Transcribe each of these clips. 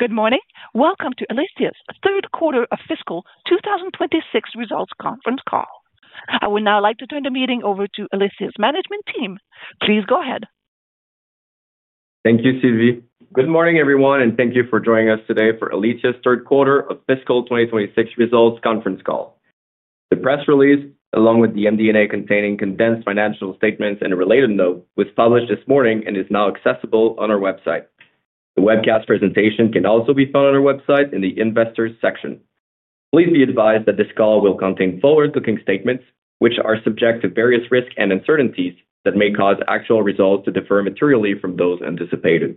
Good morning. Welcome to Alithya's third quarter of fiscal 2026 results conference call. I would now like to turn the meeting over to Alithya's management team. Please go ahead. Thank you, Sylvie. Good morning, everyone, and thank you for joining us today for Alithya's third quarter of fiscal 2026 results conference call. The press release, along with the MD&A containing condensed financial statements and a related note, was published this morning and is now accessible on our website. The webcast presentation can also be found on our website in the Investors section. Please be advised that this call will contain forward-looking statements, which are subject to various risks and uncertainties that may cause actual results to differ materially from those anticipated.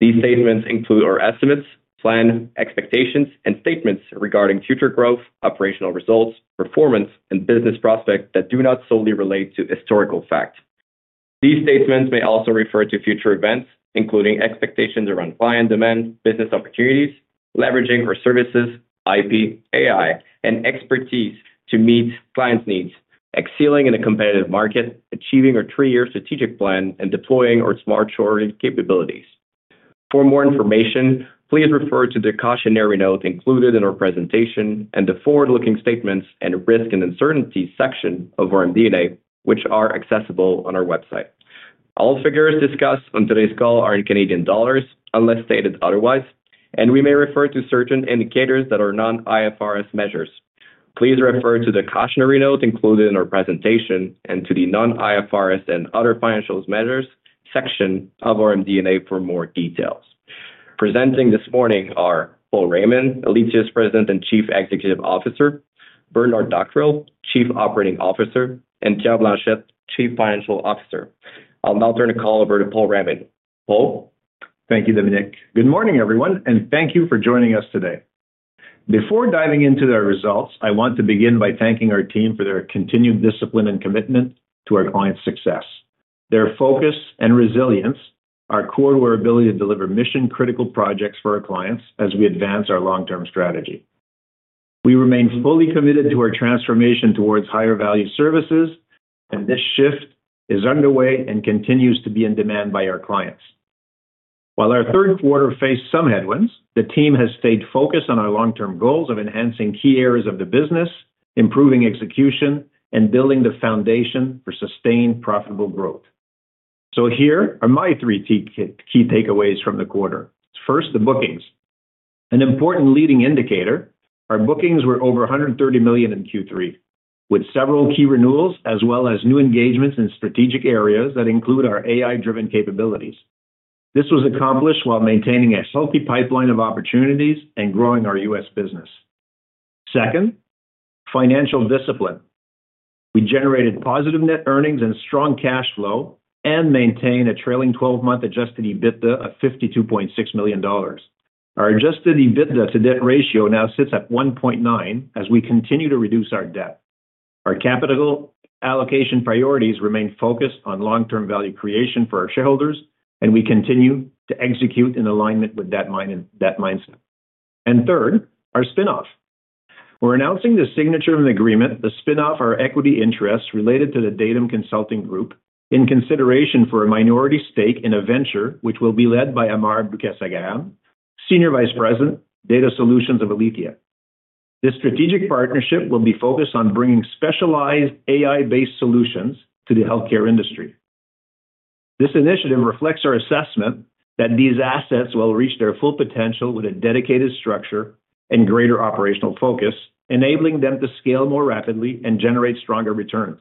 These statements include our estimates, plan, expectations, and statements regarding future growth, operational results, performance, and business prospects that do not solely relate to historical facts. These statements may also refer to future events, including expectations around client demand, business opportunities, leveraging our services, IP, AI, and expertise to meet clients' needs, excelling in a competitive market, achieving our three-year strategic plan, and deploying our Smart Shoring capabilities. For more information, please refer to the cautionary note included in our presentation and the forward-looking statements and risk and uncertainties section of our MD&A, which are accessible on our website. All figures discussed on today's call are in Canadian dollars, unless stated otherwise, and we may refer to certain indicators that are non-IFRS measures. Please refer to the cautionary note included in our presentation and to the non-IFRS and other financial measures section of our MD&A for more details. Presenting this morning are Paul Raymond, Alithya President and Chief Executive Officer, Bernard Dockrill, Chief Operating Officer, and Pierre Blanchette, Chief Financial Officer. I'll now turn the call over to Paul Raymond. Paul? Thank you, Dominic. Good morning, everyone, and thank you for joining us today. Before diving into their results, I want to begin by thanking our team for their continued discipline and commitment to our clients' success. Their focus and resilience are core to our ability to deliver mission-critical projects for our clients as we advance our long-term strategy. We remain fully committed to our transformation towards higher value services, and this shift is underway and continues to be in demand by our clients. While our third quarter faced some headwinds, the team has stayed focused on our long-term goals of enhancing key areas of the business, improving execution, and building the foundation for sustained profitable growth. Here are my three key, key takeaways from the quarter. First, the bookings. An important leading indicator, our bookings were over 130 million in Q3, with several key renewals, as well as new engagements in strategic areas that include our AI-driven capabilities. This was accomplished while maintaining a healthy pipeline of opportunities and growing our U.S. business. Second, financial discipline. We generated positive net earnings and strong cash flow and maintained a trailing 12-month Adjusted EBITDA of 52.6 million dollars. Our Adjusted EBITDA to debt ratio now sits at 1.9 as we continue to reduce our debt. Our capital allocation priorities remain focused on long-term value creation for our shareholders, and we continue to execute in alignment with that mindset. And third, our spin-off. We're announcing the signature of an agreement to spin off our equity interests related to the Datum Consulting Group in consideration for a minority stake in a venture which will be led by Amar Bukkasagaram, Senior Vice President, Data Solutions at Alithya. This strategic partnership will be focused on bringing specialized AI-based solutions to the healthcare industry. This initiative reflects our assessment that these assets will reach their full potential with a dedicated structure and greater operational focus, enabling them to scale more rapidly and generate stronger returns.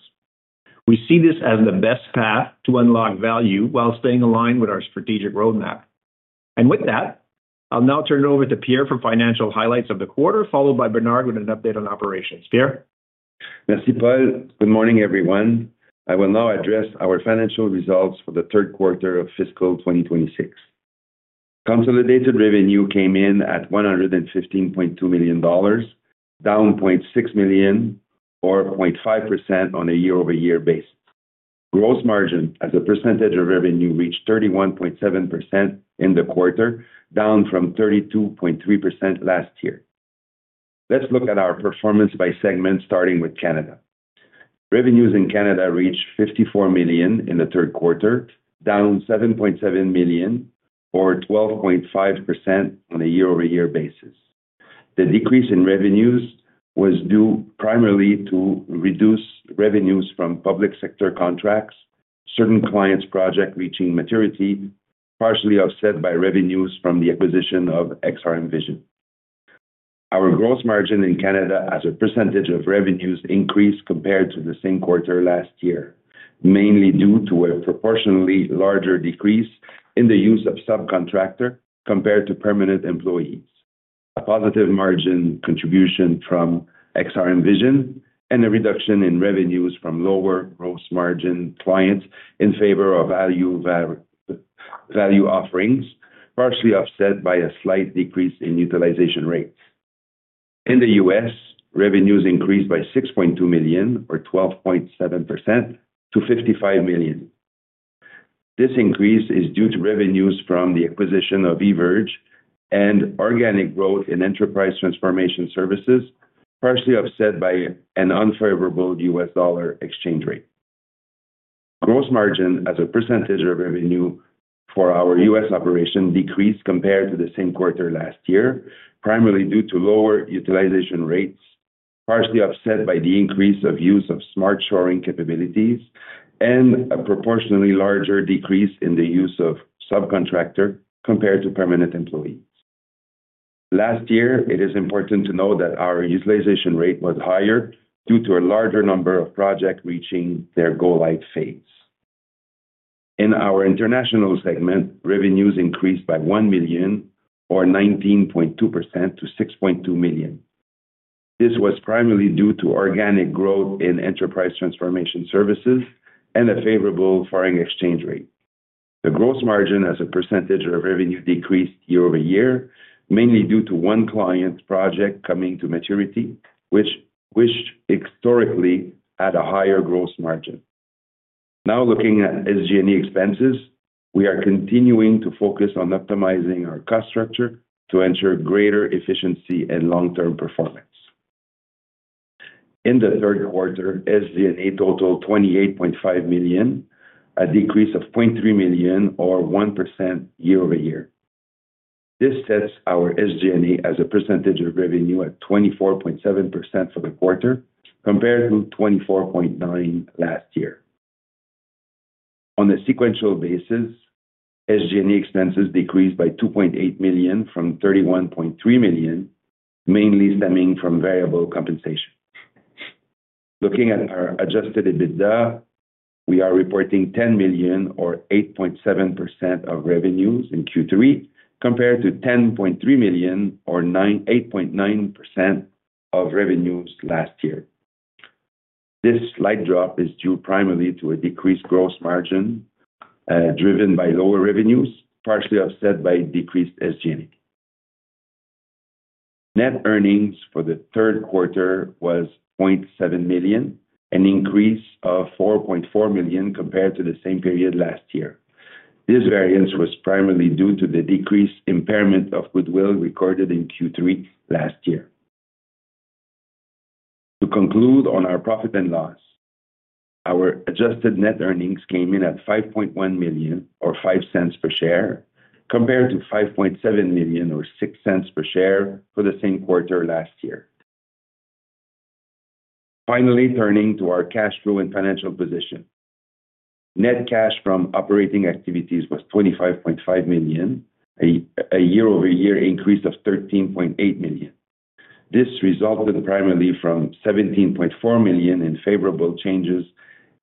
We see this as the best path to unlock value while staying aligned with our strategic roadmap. And with that, I'll now turn it over to Pierre for financial highlights of the quarter, followed by Bernard with an update on operations. Pierre? Merci, Paul. Good morning, everyone. I will now address our financial results for the third quarter of fiscal 2026. Consolidated revenue came in at 115.2 million dollars, down 0.6 million or 0.5% on a year-over-year basis. Gross margin as a percentage of revenue reached 31.7% in the quarter, down from 32.3% last year. Let's look at our performance by segment, starting with Canada. Revenues in Canada reached 54 million in the third quarter, down 7.7 million or 12.5% on a year-over-year basis. The decrease in revenues was due primarily to reduced revenues from public sector contracts, certain clients' project reaching maturity, partially offset by revenues from the acquisition of XRM Vision. Our gross margin in Canada as a percentage of revenues increased compared to the same quarter last year, mainly due to a proportionally larger decrease in the use of subcontractor compared to permanent employees. A positive margin contribution from XRM Vision and a reduction in revenues from lower gross margin clients in favor of value, value offerings, partially offset by a slight decrease in utilization rates. In the U.S., revenues increased by 6.2 million, or 12.7% to 55 million. This increase is due to revenues from the acquisition of eVerge and organic growth in enterprise transformation services, partially offset by an unfavorable U.S. dollar exchange rate.... Gross margin as a percentage of revenue for our U.S. operation decreased compared to the same quarter last year, primarily due to lower utilization rates, partially offset by the increase of use of Smart Shoring capabilities and a proportionally larger decrease in the use of subcontractor compared to permanent employees. Last year, it is important to note that our utilization rate was higher due to a larger number of projects reaching their go-live phase. In our international segment, revenues increased by 1 million or 19.2% to 6.2 million. This was primarily due to organic growth in enterprise transformation services and a favorable foreign exchange rate. The gross margin as a percentage of revenue decreased year-over-year, mainly due to one client's project coming to maturity, which historically had a higher gross margin. Now, looking at SG&A expenses, we are continuing to focus on optimizing our cost structure to ensure greater efficiency and long-term performance. In the third quarter, SG&A totaled 28.5 million, a decrease of 0.3 million or 1% year-over-year. This sets our SG&A as a percentage of revenue at 24.7% for the quarter, compared to 24.9% last year. On a sequential basis, SG&A expenses decreased by 2.8 million from 31.3 million, mainly stemming from variable compensation. Looking at our adjusted EBITDA, we are reporting 10 million or 8.7% of revenues in Q3, compared to 10.3 million or 8.9% of revenues last year. This slight drop is due primarily to a decreased gross margin, driven by lower revenues, partially offset by decreased SG&A. Net earnings for the third quarter was 0.7 million, an increase of 4.4 million compared to the same period last year. This variance was primarily due to the decreased impairment of goodwill recorded in Q3 last year. To conclude on our profit and loss, our adjusted net earnings came in at 5.1 million or 0.05 per share, compared to 5.7 million or 0.06 per share for the same quarter last year. Finally, turning to our cash flow and financial position. Net cash from operating activities was 25.5 million, a year-over-year increase of 13.8 million. This resulted primarily from 17.4 million in favorable changes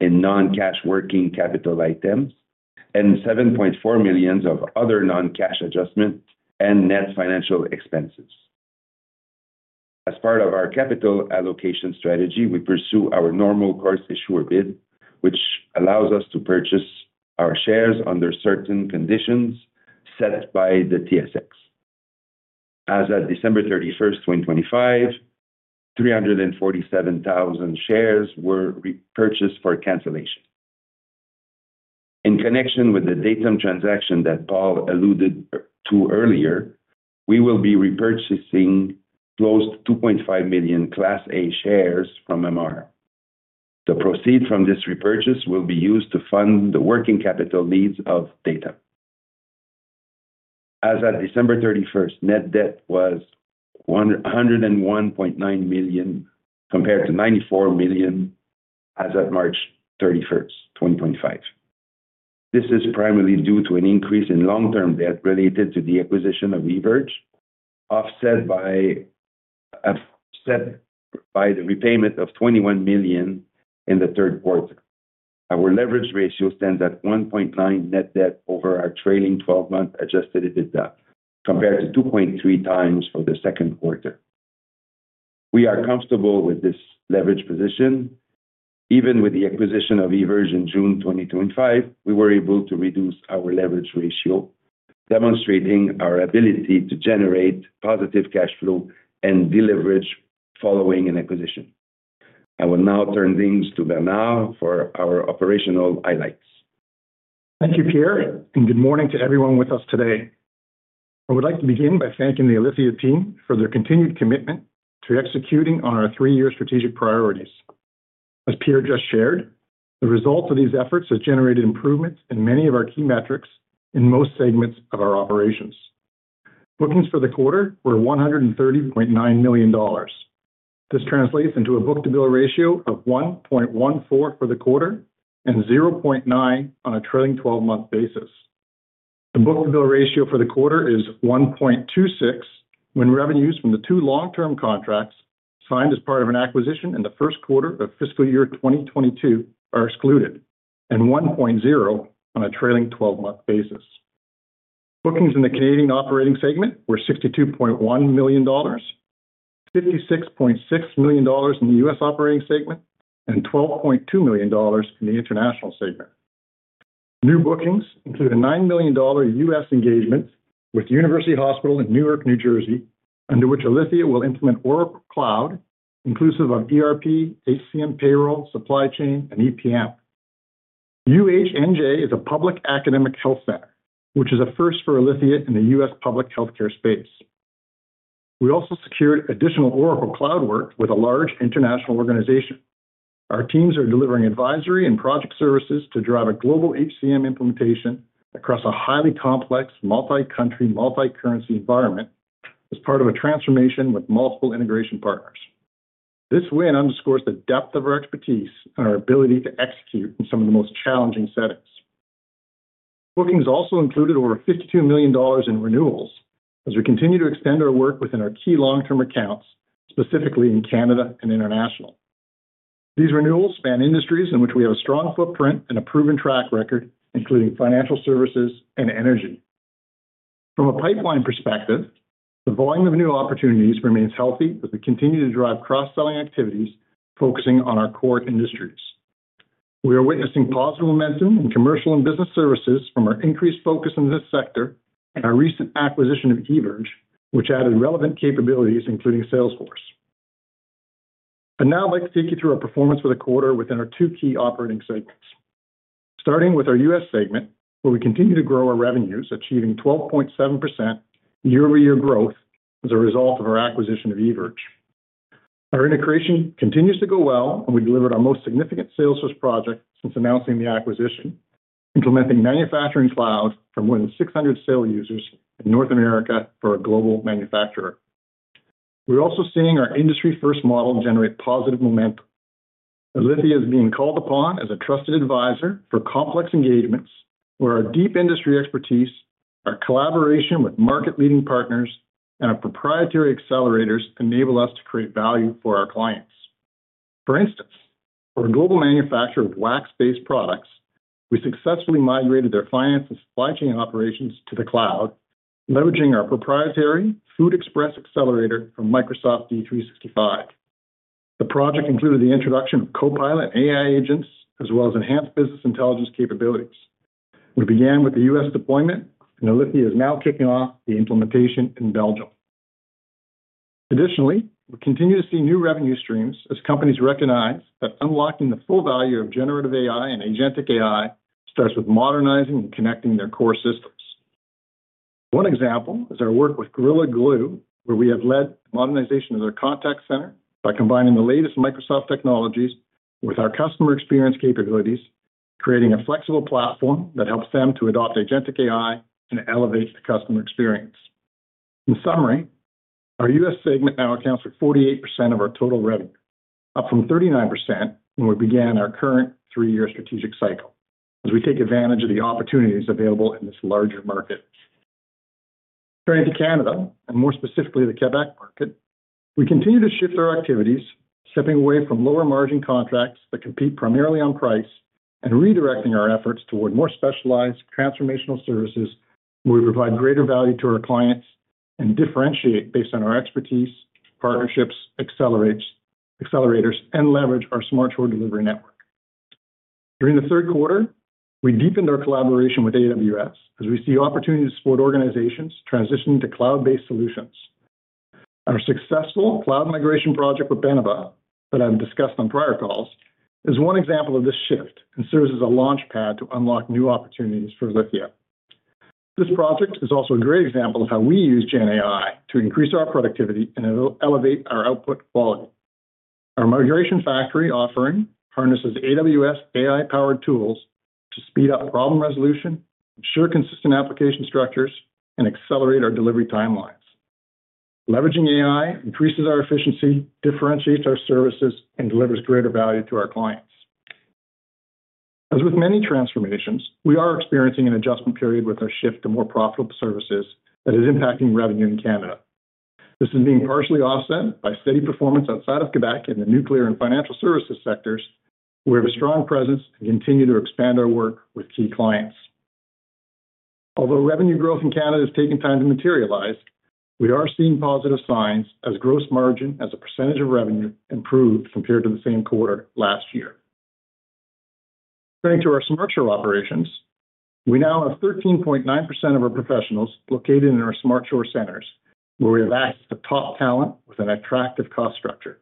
in non-cash working capital items and 7.4 million of other non-cash adjustments and net financial expenses. As part of our capital allocation strategy, we pursue our normal course issuer bid, which allows us to purchase our shares under certain conditions set by the TSX. As at December 31, 2025, 347,000 shares were repurchased for cancellation. In connection with the Datum transaction that Paul alluded to earlier, we will be repurchasing close to 2.5 million Class A shares from Amar. The proceeds from this repurchase will be used to fund the working capital needs of Datum. As at December 31, net debt was 101.9 million, compared to 94 million as at March 31, 2025. This is primarily due to an increase in long-term debt related to the acquisition of eVerge, offset by the repayment of 21 million in the third quarter. Our leverage ratio stands at 1.9 net debt over our trailing twelve-month Adjusted EBITDA, compared to 2.3 times for the second quarter. We are comfortable with this leverage position. Even with the acquisition of eVerge in June 2025, we were able to reduce our leverage ratio, demonstrating our ability to generate positive cash flow and deleverage following an acquisition. I will now turn things to Bernard for our operational highlights. Thank you, Pierre, and good morning to everyone with us today. I would like to begin by thanking the Alithya team for their continued commitment to executing on our three-year strategic priorities. As Pierre just shared, the results of these efforts have generated improvements in many of our key metrics in most segments of our operations. Bookings for the quarter were 130.9 million dollars. This translates into a book-to-bill ratio of 1.14 for the quarter and 0.9 on a trailing twelve-month basis. The book-to-bill ratio for the quarter is 1.26, when revenues from the two long-term contracts signed as part of an acquisition in the first quarter of fiscal year 2022 are excluded, and 1.0 on a trailing twelve-month basis. Bookings in the Canadian operating segment were 62.1 million dollars, 56.6 million dollars in the U.S. operating segment, and 12.2 million dollars in the international segment. New bookings include a $9 million U.S. engagement with University Hospital in Newark, New Jersey, under which Alithya will implement Oracle Cloud, inclusive of ERP, HCM payroll, supply chain, and EPM. UHNJ is a public academic health center, which is a first for Alithya in the U.S. public healthcare space. We also secured additional Oracle Cloud work with a large international organization. Our teams are delivering advisory and project services to drive a global HCM implementation across a highly complex, multi-country, multi-currency environment as part of a transformation with multiple integration partners. This win underscores the depth of our expertise and our ability to execute in some of the most challenging settings. Bookings also included over 52 million dollars in renewals as we continue to extend our work within our key long-term accounts, specifically in Canada and international. These renewals span industries in which we have a strong footprint and a proven track record, including financial services and energy. From a pipeline perspective, the volume of new opportunities remains healthy as we continue to drive cross-selling activities, focusing on our core industries. We are witnessing positive momentum in commercial and business services from our increased focus in this sector and our recent acquisition of eVerge, which added relevant capabilities, including Salesforce. Now I'd like to take you through our performance for the quarter within our two key operating segments. Starting with our U.S. segment, where we continue to grow our revenues, achieving 12.7% year-over-year growth as a result of our acquisition of eVerge. Our integration continues to go well, and we delivered our most significant Salesforce project since announcing the acquisition, implementing Manufacturing Cloud for more than 600 sales users in North America for a global manufacturer. We're also seeing our industry-first model generate positive momentum, as Alithya is being called upon as a trusted advisor for complex engagements, where our deep industry expertise, our collaboration with market-leading partners, and our proprietary accelerators enable us to create value for our clients. For instance, for a global manufacturer of wax-based products, we successfully migrated their finance and supply chain operations to the cloud, leveraging our proprietary FoodXpress accelerator for Microsoft D365. The project included the introduction of Copilot and AI agents, as well as enhanced business intelligence capabilities. We began with the U.S. deployment, and Alithya is now kicking off the implementation in Belgium. Additionally, we continue to see new revenue streams as companies recognize that unlocking the full value of Generative AI and Agentic AI starts with modernizing and connecting their core systems. One example is our work with Gorilla Glue, where we have led modernization of their contact center by combining the latest Microsoft technologies with our customer experience capabilities, creating a flexible platform that helps them to adopt Agentic AI and elevates the customer experience. In summary, our U.S. segment now accounts for 48% of our total revenue, up from 39% when we began our current three-year strategic cycle, as we take advantage of the opportunities available in this larger market. Turning to Canada, and more specifically, the Quebec market, we continue to shift our activities, stepping away from lower-margin contracts that compete primarily on price and redirecting our efforts toward more specialized transformational services, where we provide greater value to our clients and differentiate based on our expertise, partnerships, accelerators, and leverage our Smart Shoring delivery network. During the third quarter, we deepened our collaboration with AWS as we see opportunities to support organizations transitioning to cloud-based solutions. Our successful cloud migration project with Beneva, that I've discussed on prior calls, is one example of this shift and serves as a launchpad to unlock new opportunities for Alithya. This project is also a great example of how we use GenAI to increase our productivity and elevate our output quality. Our Migration Factory offering harnesses AWS AI-powered tools to speed up problem resolution, ensure consistent application structures, and accelerate our delivery timelines. Leveraging AI increases our efficiency, differentiates our services, and delivers greater value to our clients. As with many transformations, we are experiencing an adjustment period with our shift to more profitable services that is impacting revenue in Canada. This is being partially offset by steady performance outside of Quebec in the nuclear and financial services sectors, where we have a strong presence and continue to expand our work with key clients. Although revenue growth in Canada is taking time to materialize, we are seeing positive signs as gross margin as a percentage of revenue improved compared to the same quarter last year. Turning to our Smart Shoring operations, we now have 13.9% of our professionals located in our Smart Shoring centers, where we attract the top talent with an attractive cost structure.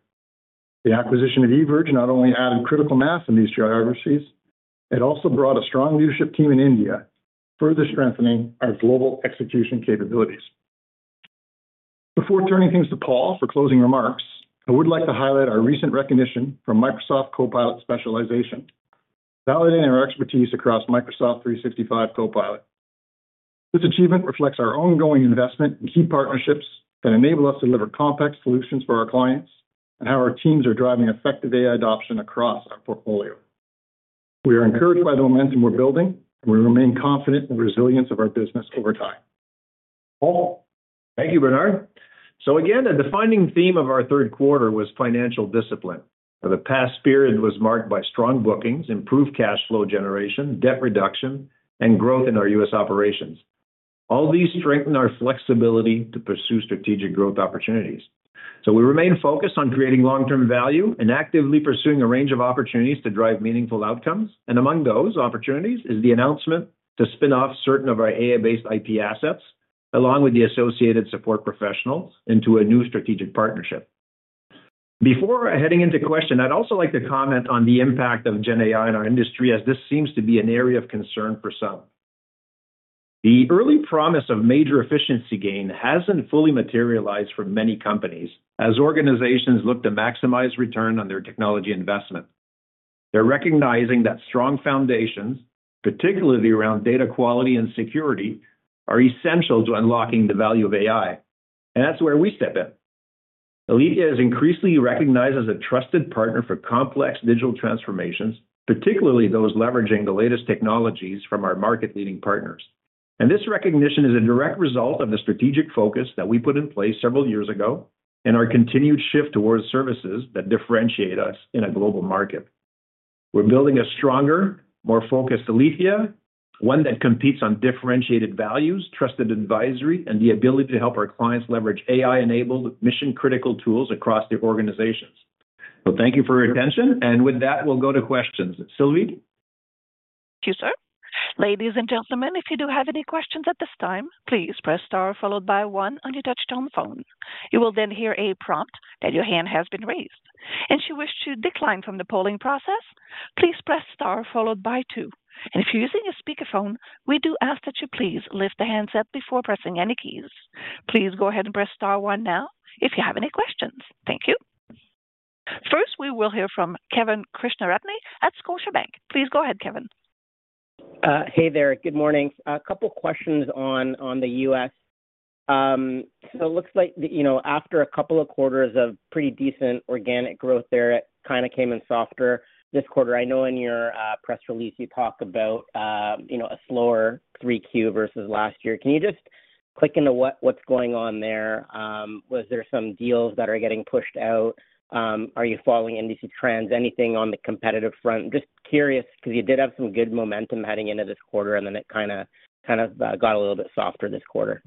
The acquisition of eVerge not only added critical mass in these geographies, it also brought a strong leadership team in India, further strengthening our global execution capabilities. Before turning things to Paul for closing remarks, I would like to highlight our recent recognition from Microsoft Copilot Specialization, validating our expertise across Microsoft 365 Copilot. This achievement reflects our ongoing investment in key partnerships that enable us to deliver complex solutions for our clients and how our teams are driving effective AI adoption across our portfolio. We are encouraged by the momentum we're building, and we remain confident in the resilience of our business over time. Paul? Thank you, Bernard. Again, the defining theme of our third quarter was financial discipline, for the past period was marked by strong bookings, improved cash flow generation, debt reduction, and growth in our U.S. operations. All these strengthen our flexibility to pursue strategic growth opportunities. We remain focused on creating long-term value and actively pursuing a range of opportunities to drive meaningful outcomes. Among those opportunities is the announcement to spin off certain of our AI-based IP assets, along with the associated support professionals, into a new strategic partnership... Before heading into question, I'd also like to comment on the impact of GenAI in our industry, as this seems to be an area of concern for some. The early promise of major efficiency gain hasn't fully materialized for many companies, as organizations look to maximize return on their technology investment. They're recognizing that strong foundations, particularly around data quality and security, are essential to unlocking the value of AI, and that's where we step in. Alithya is increasingly recognized as a trusted partner for complex digital transformations, particularly those leveraging the latest technologies from our market-leading partners. This recognition is a direct result of the strategic focus that we put in place several years ago, and our continued shift towards services that differentiate us in a global market. We're building a stronger, more focused Alithya, one that competes on differentiated values, trusted advisory, and the ability to help our clients leverage AI-enabled, mission-critical tools across their organizations. Thank you for your attention, and with that, we'll go to questions. Sylvie? Thank you, sir. Ladies and gentlemen, if you do have any questions at this time, please press star followed by one on your touchtone phone. You will then hear a prompt that your hand has been raised. If you wish to decline from the polling process, please press star followed by two. If you're using a speakerphone, we do ask that you please lift the handset before pressing any keys. Please go ahead and press star one now if you have any questions. Thank you. First, we will hear from Kevin Krishnaratne at Scotiabank. Please go ahead, Kevin. Hey there. Good morning. A couple of questions on the U.S. So it looks like, you know, after a couple of quarters of pretty decent organic growth there, it kind of came in softer this quarter. I know in your press release, you talked about, you know, a slower 3Q versus last year. Can you just click into what's going on there? Was there some deals that are getting pushed out? Are you following industry trends? Anything on the competitive front? Just curious, because you did have some good momentum heading into this quarter, and then it kind of got a little bit softer this quarter.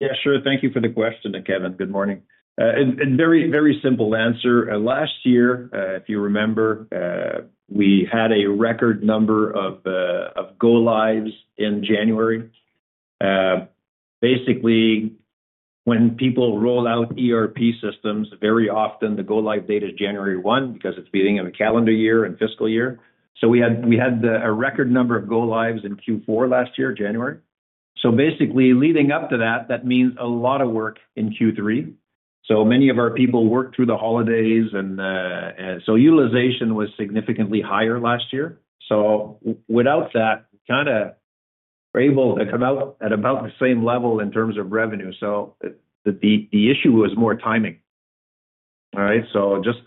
Yeah, sure. Thank you for the question, Kevin. Good morning. And very simple answer. Last year, if you remember, we had a record number of go-lives in January. Basically, when people roll out ERP systems, very often the go-live date is January 1 because it's beginning of a calendar year and fiscal year. So we had a record number of go-lives in Q4 last year, January. So basically, leading up to that, that means a lot of work in Q3. So many of our people worked through the holidays, and so utilization was significantly higher last year. So without that, kind of we're able to come out at about the same level in terms of revenue. So the issue was more timing. All right? Just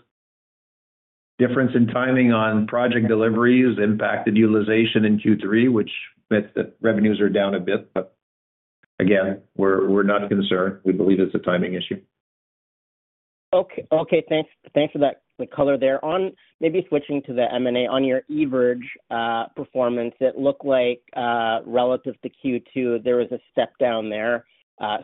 difference in timing on project deliveries impacted utilization in Q3, which meant that revenues are down a bit, but again, we're not concerned. We believe it's a timing issue. Okay, okay, thanks, thanks for that, the color there. On maybe switching to the M&A, on your eVerge, performance, it looked like, relative to Q2, there was a step down there,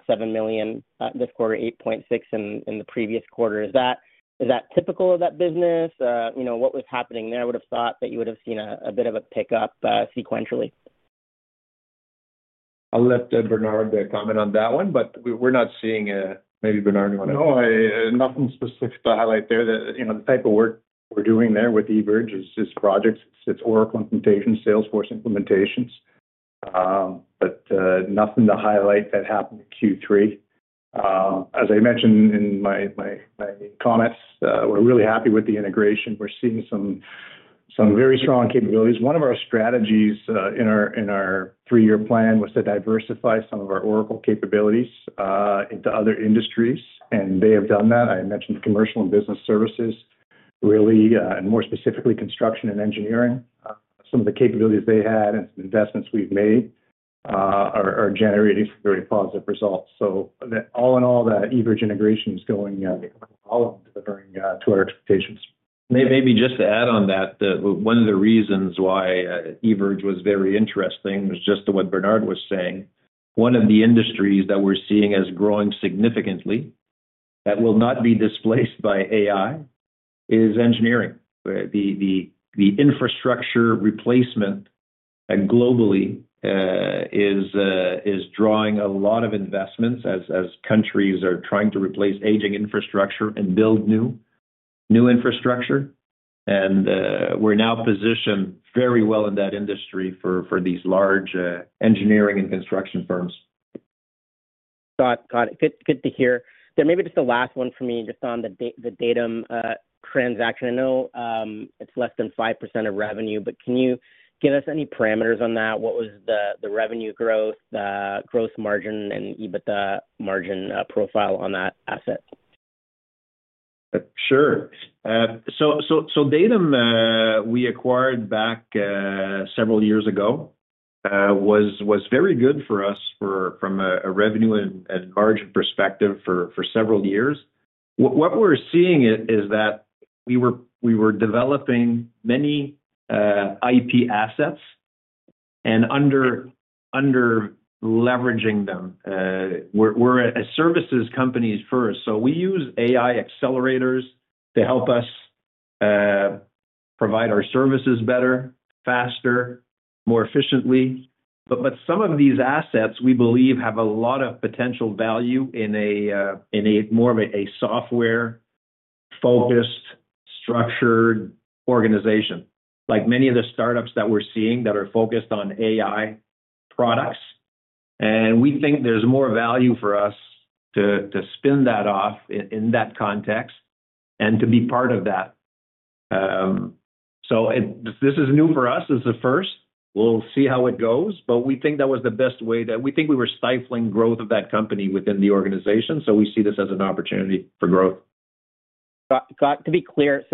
7 million, this quarter, 8.6 million in, in the previous quarter. Is that, is that typical of that business? You know, what was happening there? I would have thought that you would have seen a, a bit of a pickup, sequentially. I'll let Bernard comment on that one, but we're not seeing a... Maybe Bernard, you want to- No, nothing specific to highlight there. The, you know, the type of work we're doing there with eVerge is just projects. It's Oracle implementations, Salesforce implementations, but nothing to highlight that happened in Q3. As I mentioned in my comments, we're really happy with the integration. We're seeing some very strong capabilities. One of our strategies in our three-year plan was to diversify some of our Oracle capabilities into other industries, and they have done that. I mentioned commercial and business services, really, and more specifically, construction and engineering. Some of the capabilities they had and some investments we've made are generating very positive results. So all in all, the eVerge integration is going all delivering to our expectations. Maybe just to add on that, one of the reasons why eVerge was very interesting was just to what Bernard was saying. One of the industries that we're seeing as growing significantly, that will not be displaced by AI, is engineering. The infrastructure replacement globally is drawing a lot of investments as countries are trying to replace aging infrastructure and build new infrastructure. And we're now positioned very well in that industry for these large engineering and construction firms. Got it. Good to hear. Then maybe just the last one for me, just on the Datum transaction. I know, it's less than 5% of revenue, but can you give us any parameters on that? What was the, the revenue growth, the growth margin, and EBITDA margin profile on that asset? Sure. So, Datum, we acquired back several years ago, was very good for us from a revenue and margin perspective for several years. What we're seeing is that we were developing many IP assets and under leveraging them. We're a services company first, so we use AI accelerators to help us provide our services better, faster, more efficiently. But some of these assets, we believe, have a lot of potential value in a more of a software-focused, structured organization. Like many of the startups that we're seeing that are focused on AI products, and we think there's more value for us to spin that off in that context and to be part of that. This is new for us, this is a first, we'll see how it goes, but we think that was the best way. We think we were stifling growth of that company within the organization, so we see this as an opportunity for growth. To be clear,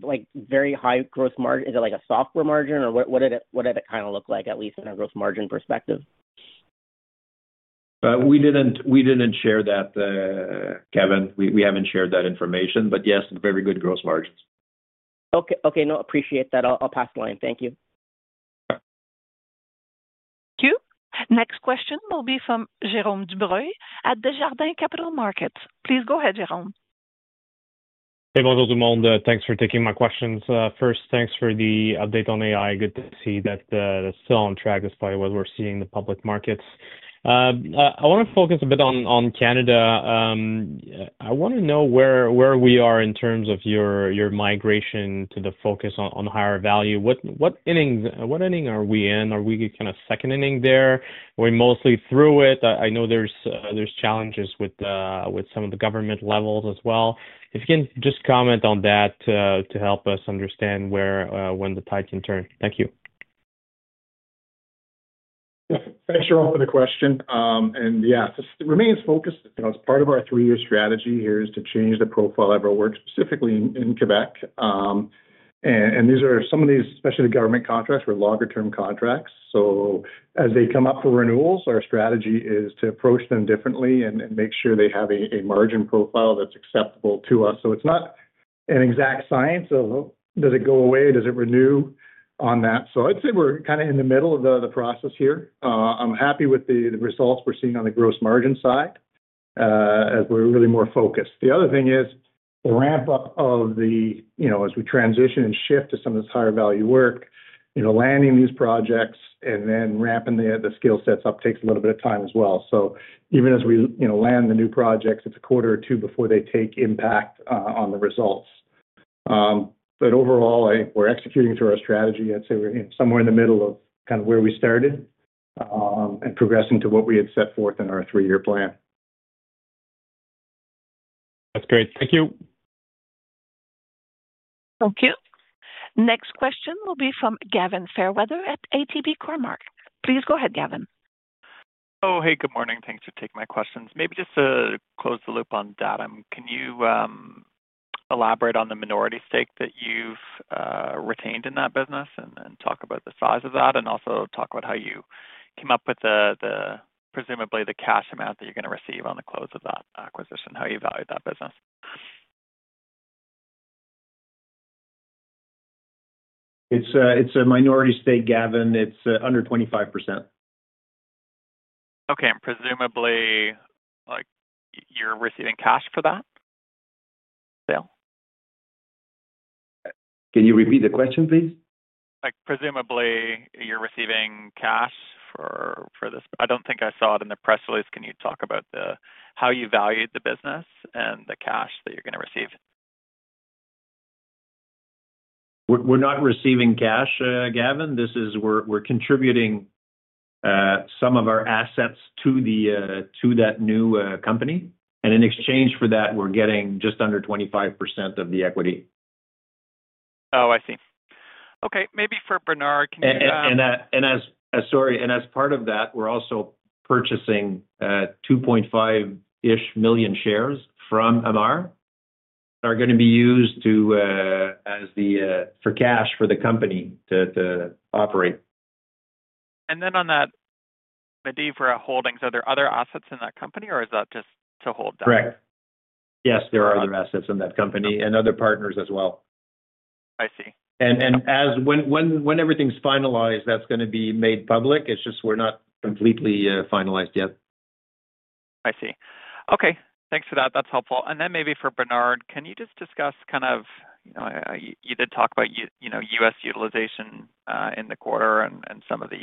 like, very high gross margin, is it like a software margin, or what, what did it, what did it kinda look like, at least from a gross margin perspective? We didn't share that, Kevin. We haven't shared that information, but yes, very good gross margins. Okay, okay. No, appreciate that. I'll, I'll pass the line. Thank you. Sure. Thank you. Next question will be from Jérôme Dubreuil at Desjardins Capital Markets. Please go ahead, Jérôme. Hey, bonjour, everyone. Thanks for taking my questions. First, thanks for the update on AI. Good to see that, still on track, despite what we're seeing in the public markets. I wanna focus a bit on Canada. I wanna know where we are in terms of your migration to the focus on higher value. What innings—what inning are we in? Are we kind of second inning there? Are we mostly through it? I know there's challenges with some of the government levels as well. If you can just comment on that, to help us understand where, when the tides can turn. Thank you. Yeah. Thanks, Jérôme, for the question. And yeah, it remains focused, you know, as part of our three-year strategy here is to change the profile of our work, specifically in Quebec. And these are some of these, especially the government contracts, were longer term contracts. So as they come up for renewals, our strategy is to approach them differently and make sure they have a margin profile that's acceptable to us. So it's not an exact science of, does it go away? Does it renew on that? So I'd say we're kinda in the middle of the process here. I'm happy with the results we're seeing on the gross margin side, as we're really more focused. The other thing is the ramp up of the, you know, as we transition and shift to some of this higher value work, you know, landing these projects and then ramping the skill sets up takes a little bit of time as well. So even as we, you know, land the new projects, it's a quarter or two before they take impact on the results. But overall, we're executing through our strategy. I'd say we're somewhere in the middle of kind of where we started and progressing to what we had set forth in our three-year plan. That's great. Thank you. Thank you. Next question will be from Gavin Fairweather at ATB Cormark. Please go ahead, Gavin. Oh, hey, good morning. Thanks for taking my questions. Maybe just to close the loop on Datum, can you elaborate on the minority stake that you've retained in that business, and talk about the size of that, and also talk about how you came up with the presumably the cash amount that you're gonna receive on the close of that acquisition, how you valued that business? It's a minority stake, Gavin. It's under 25%. Okay, and presumably, like, you're receiving cash for that sale? Can you repeat the question, please? Like, presumably, you're receiving cash for this... I don't think I saw it in the press release. Can you talk about the, how you valued the business and the cash that you're gonna receive? We're not receiving cash, Gavin. This is. We're contributing some of our assets to that new company, and in exchange for that, we're getting just under 25% of the equity. Oh, I see. Okay, maybe for Bernard, can you- And as part of that, sorry, we're also purchasing 2.5-ish million shares from Amar are gonna be used to as the for cash for the company to operate. And then on that, Medivara Holdings, are there other assets in that company, or is that just to hold that? Correct. Yes, there are other assets in that company and other partners as well. I see. When everything's finalized, that's gonna be made public. It's just we're not completely finalized yet. I see. Okay, thanks for that. That's helpful. Maybe for Bernard, can you just discuss kind of, you know, you did talk about you know, U.S. utilization in the quarter and, and some of the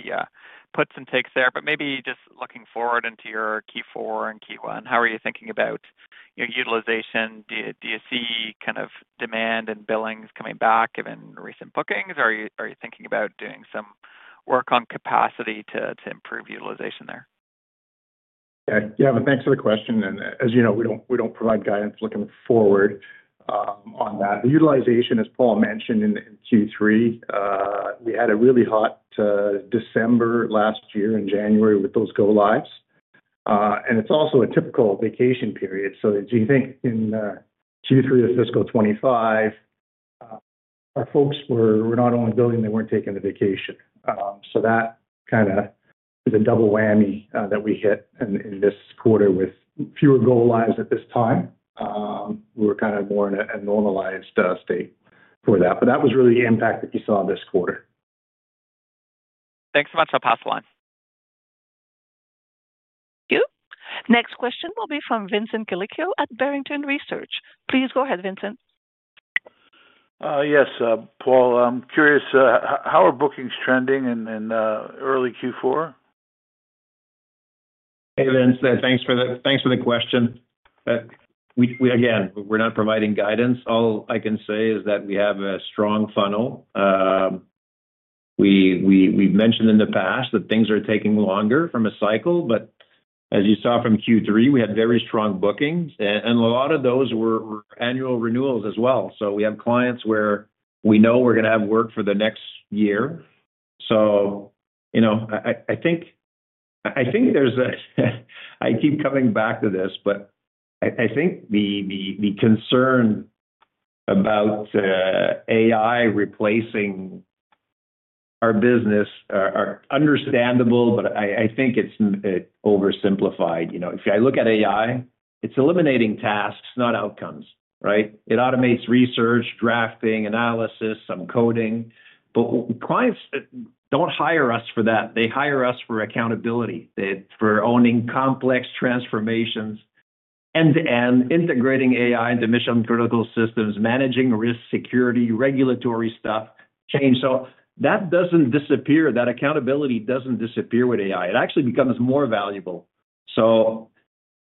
puts and takes there, but maybe just looking forward into your Q4 and Q1, how are you thinking about your utilization? Do you see kind of demand and billings coming back, given recent bookings, or are you thinking about doing some work on capacity to improve utilization there? Yeah, yeah, but thanks for the question, and as you know, we don't, we don't provide guidance looking forward, on that. The utilization, as Paul mentioned, in Q3, we had a really hot December last year and January with those go-lives. And it's also a typical vacation period. So as you think in Q3 of fiscal 25, our folks were not only billing, they weren't taking a vacation. So that kinda is a double whammy, that we hit in this quarter with fewer go-lives at this time. We're kind of more in a normalized state for that, but that was really the impact that you saw this quarter. Thanks so much. I'll pass the line. Next question will be from Vincent Colicchio at Barrington Research. Please go ahead, Vincent. Yes, Paul, I'm curious, how are bookings trending in early Q4? Hey, Vincent, thanks for the question. We again, we're not providing guidance. All I can say is that we have a strong funnel. We've mentioned in the past that things are taking longer from a cycle, but as you saw from Q3, we had very strong bookings, and a lot of those were annual renewals as well. So we have clients where we know we're gonna have work for the next year. So, you know, I think there's a, I keep coming back to this, but I think the concern about AI replacing our business are understandable, but I think it's oversimplified. You know, if I look at AI, it's eliminating tasks, not outcomes, right? It automates research, drafting, analysis, some coding, but clients don't hire us for that. They hire us for accountability, they for owning complex transformations and integrating AI into mission-critical systems, managing risk, security, regulatory stuff, change. So that doesn't disappear. That accountability doesn't disappear with AI. It actually becomes more valuable. So,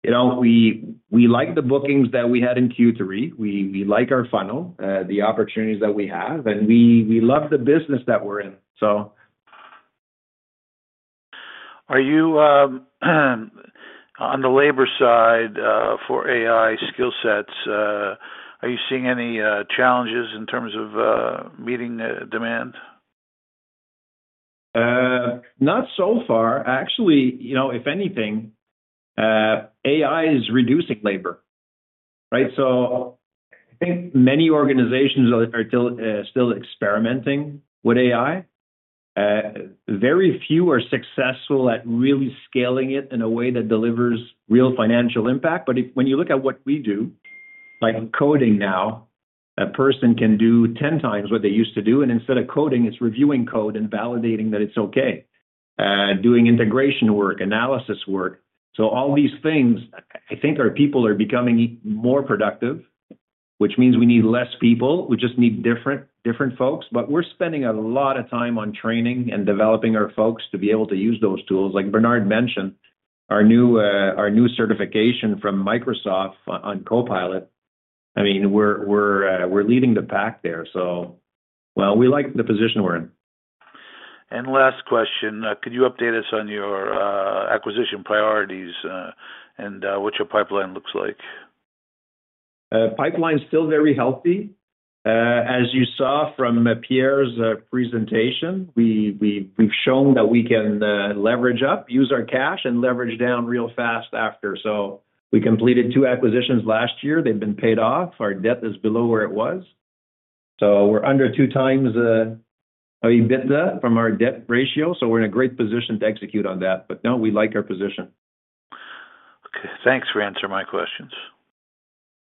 you know, we like the bookings that we had in Q3. We like our funnel, the opportunities that we have, and we love the business that we're in. So... Are you on the labor side for AI skill sets are you seeing any challenges in terms of meeting the demand? Not so far. Actually, you know, if anything, AI is reducing labor, right? So I think many organizations are still experimenting with AI. Very few are successful at really scaling it in a way that delivers real financial impact. But when you look at what we do, like coding now, a person can do 10 times what they used to do, and instead of coding, it's reviewing code and validating that it's okay, doing integration work, analysis work. So all these things, I think our people are becoming more productive, which means we need less people. We just need different folks. But we're spending a lot of time on training and developing our folks to be able to use those tools. Like Bernard mentioned, our new certification from Microsoft on Copilot, I mean, we're leading the pack there, so, well, we like the position we're in. Last question, could you update us on your acquisition priorities, and what your pipeline looks like? Pipeline is still very healthy. As you saw from Pierre's presentation, we've shown that we can leverage up, use our cash, and leverage down real fast after. So we completed two acquisitions last year. They've been paid off. Our debt is below where it was, so we're under 2x our EBITDA from our debt ratio, so we're in a great position to execute on that. But no, we like our position. Okay. Thanks for answering my questions.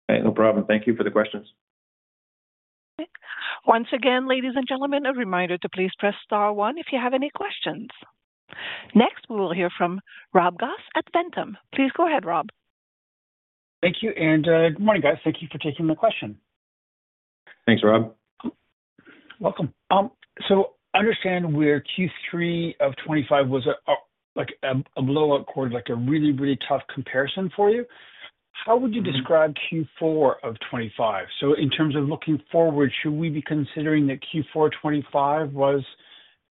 Hey, no problem. Thank you for the questions. Once again, ladies and gentlemen, a reminder to please press star one if you have any questions. Next, we will hear from Rob Goff at Ventum. Please go ahead, Rob. Thank you, and, good morning, guys. Thank you for taking my question. Thanks, Rob. Welcome. So I understand where Q3 of 2025 was like a blow-out quarter, like a really, really tough comparison for you. How would you describe Q4 of 2025? So in terms of looking forward, should we be considering that Q4 2025 was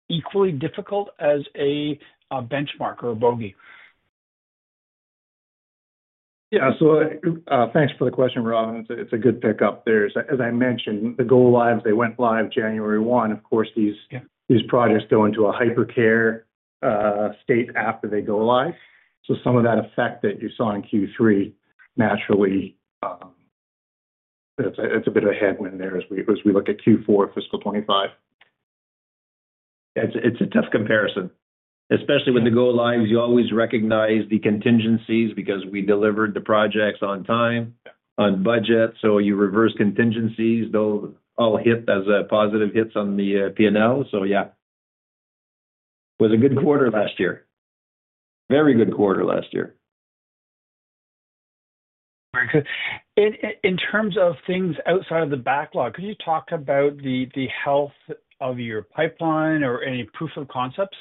equally difficult as a benchmark or a bogey? Yeah. So, thanks for the question, Rob. It's a good pick-up there. As I mentioned, the go-lives, they went live January 1. Of course, these- Yeah These projects go into a hypercare state after they go live. So some of that effect that you saw in Q3, naturally, it's a bit of a headwind there as we look at Q4 fiscal 2025. It's, it's a tough comparison, especially with the go-lives. You always recognize the contingencies because we delivered the projects on time, on budget, so you reverse contingencies. They'll all hit as positive hits on the P&L. So yeah, it was a good quarter last year. Very good quarter last year. Right. So in terms of things outside of the backlog, could you talk about the health of your pipeline or any proof of concepts?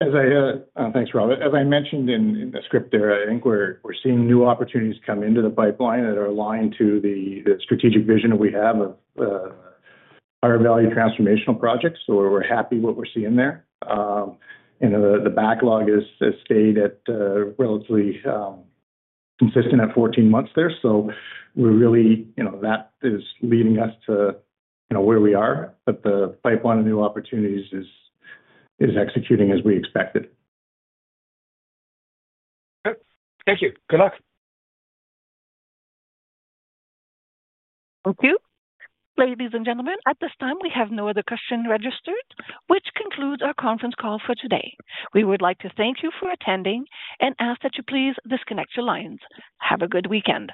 Thanks, Rob. As I mentioned in the script there, I think we're seeing new opportunities come into the pipeline that are aligned to the strategic vision that we have of higher value transformational projects. So we're happy what we're seeing there. And the backlog has stayed at relatively consistent at 14 months there. So we're really, you know, that is leading us to, you know, where we are, but the pipeline of new opportunities is executing as we expected. Good. Thank you. Good luck. Thank you. Ladies and gentlemen, at this time, we have no other question registered, which concludes our conference call for today. We would like to thank you for attending, and ask that you please disconnect your lines. Have a good weekend.